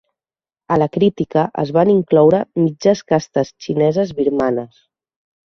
A la crítica es van incloure mitges castes xineses-birmanes.